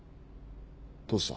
どうした？